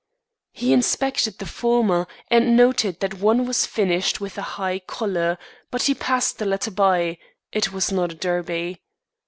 He inspected the former and noted that one was finished with a high collar; but he passed the latter by it was not a derby.